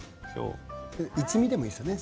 一味でもいいですよね